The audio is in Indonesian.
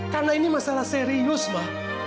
karena ini masalah serius ma